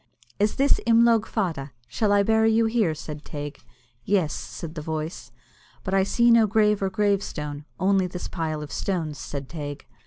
"Is this Imlogue Fada? Shall I bury you here?" said Teig. "Yes," said the voice. "But I see no grave or gravestone, only this pile of stones," said Teig.